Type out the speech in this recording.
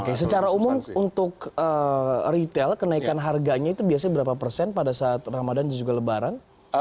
oke secara umum untuk retail kenaikan harganya itu biasanya berapa persen pada saat ramadhan dan juga lebaran